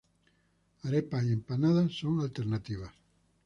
Arepas y empanadas son alternativas.